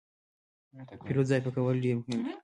د پیرود ځای پاکوالی ډېر مهم دی.